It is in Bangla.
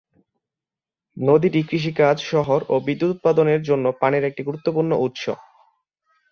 নদীটি কৃষিকাজ, শহর ও বিদ্যুত উৎপাদনের জন্য পানির একটি গুরুত্বপূর্ণ উৎস।